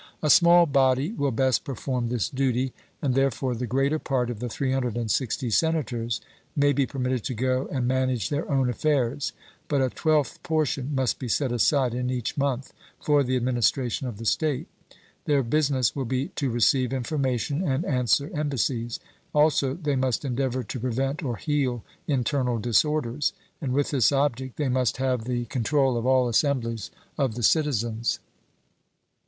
A small body will best perform this duty, and therefore the greater part of the 360 senators may be permitted to go and manage their own affairs, but a twelfth portion must be set aside in each month for the administration of the state. Their business will be to receive information and answer embassies; also they must endeavour to prevent or heal internal disorders; and with this object they must have the control of all assemblies of the citizens.